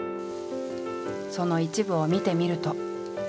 その一部を見てみると。